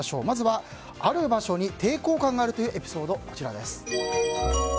まずは、ある場所に抵抗感があるというエピソードです。